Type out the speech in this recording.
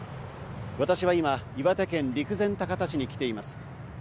私は今、岩手県陸前高田市に来ています。